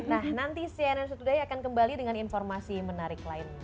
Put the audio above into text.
nah nanti cnn today akan kembali dengan informasi menarik lain